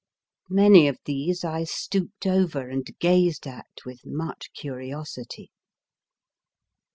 Many of these I stooped over and gazed at with much curiosity.